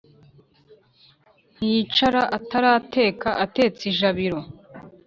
Ntiyicara arateka Atetse ijabiro